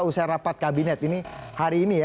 usai rapat kabinet ini hari ini ya